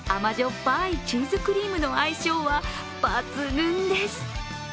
っぱいチーズクリームの相性は抜群です。